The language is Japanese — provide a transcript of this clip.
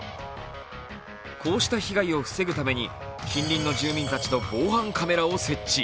こうした被害を防ぐために近隣の住民たちと防犯カメラを設置。